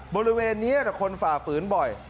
บริเวณนี้แต่คนฝ่าฝืนบ่อย